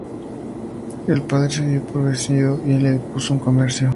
El padre se dio por vencido, y le puso un comercio.